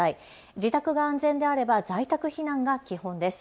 自宅が安全であれば在宅避難が基本です。